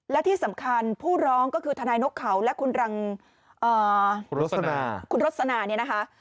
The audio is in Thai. และที่สำคัญผู้ร้องก็คือทนายนกเขาและคุณรังคุณรสนาเนี่ยนะคะ